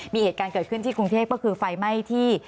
มีเหตุการณ์เกิดขึ้นที่กรุงเทพก็คือไฟไหม้ที่